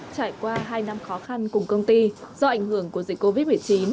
trải qua hai năm khó khăn cùng công ty do ảnh hưởng của dịch covid một mươi chín